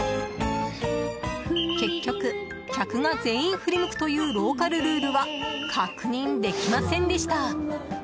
結局、客が全員振り向くというローカルルールは確認できませんでした。